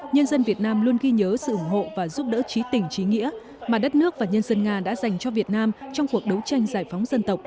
nhân dân việt nam luôn ghi nhớ sự ủng hộ và giúp đỡ trí tình trí nghĩa mà đất nước và nhân dân nga đã dành cho việt nam trong cuộc đấu tranh giải phóng dân tộc